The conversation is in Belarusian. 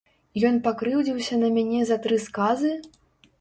Ён пакрыўдзіўся на мяне за тры сказы?